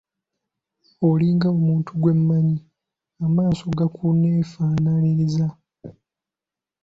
Olinga omuntu gwe mmanyi, amaaso gakunneefaanaanyirizza.